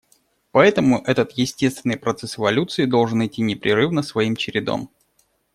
Поэтому этот естественный процесс эволюции должен идти непрерывно своим чередом.